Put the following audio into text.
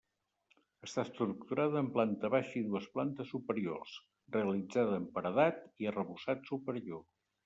Està estructurada amb planta baixa i dues plantes superiors, realitzada amb paredat i arrebossat superior.